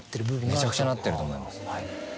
めちゃくちゃなってると思います。